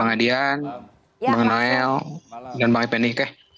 bang adian bang noel dan bang epenik